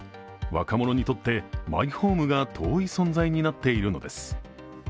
若者にとって、マイホームが遠い存在になっているのです。